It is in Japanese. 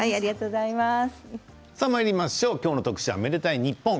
今日の特集は「愛でたいｎｉｐｐｏｎ」。